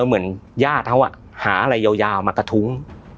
เหมือนญาติเขาหาอะไรยาวมากระทุ้ง